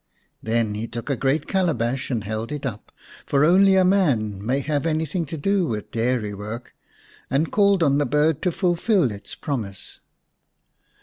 Then he took a great calabash and held it up for only a man may have anything to do with dairy work and called on the bird to fulfil its promise.